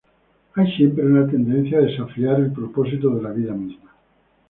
Hay siempre una tendencia a desafiar el propósito de la vida misma.